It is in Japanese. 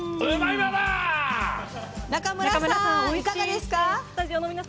中村さん、いかがですか？